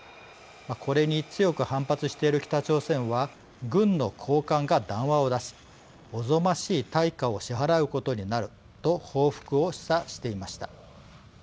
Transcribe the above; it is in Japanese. これに強く反発している北朝鮮は軍の高官が談話を出し「おぞましい対価を支払うことになる」と報復を示唆していました。